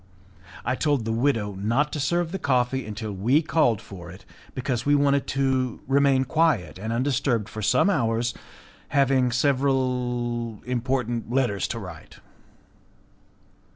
I told the widow not to serve the coffee until we called for it, because we wanted to remain quiet and undisturbed for some hours, having several important letters to write.